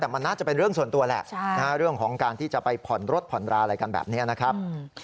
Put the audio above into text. แต่มันน่าจะเป็นเรื่องส่วนตัวแหละเรื่องของการที่จะไปผ่อนรถผ่อนราอะไรกันแบบนี้นะครับ